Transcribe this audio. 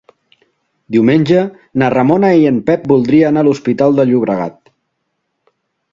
Diumenge na Ramona i en Pep voldria anar a l'Hospitalet de Llobregat.